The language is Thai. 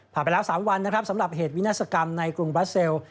ผ่านไปแล้วสามวันสำหรับเหตุวินาศกรรมในกรุงเบอร์เซล